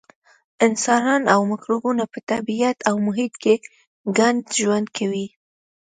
انسانان او مکروبونه په طبیعت او محیط کې ګډ ژوند کوي.